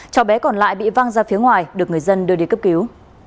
cháu bé còn lại bị văng ra phía ngoài được người dân đưa đi cấp cứu